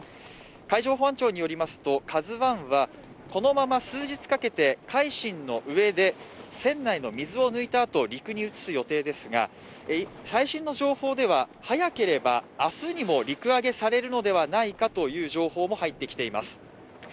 海上保安庁によりますと、「ＫＡＺＵⅠ」はこのまま数日かけて「海進」の上で船内の水を抜いたあと陸に移す予定ですが、最新の情報では早ければ明日にも陸揚げされるのではないかという情報も入ってきています。